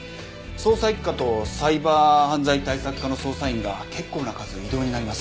捜査一課とサイバー犯罪対策課の捜査員が結構な数異動になります。